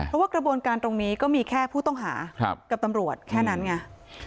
เพราะว่ากระบวนการตรงนี้ก็มีแค่ผู้ต้องหากับตำรวจแค่นั้นไง